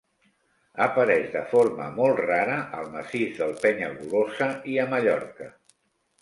Apareix de forma molt rara al massís del Penyagolosa i a Mallorca.